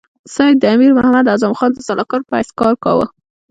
سید د امیر محمد اعظم خان د سلاکار په حیث کار کاوه.